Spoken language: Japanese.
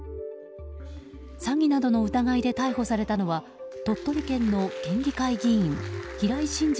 詐欺などの疑いで逮捕されたのは鳥取県の県議会議員平井伸治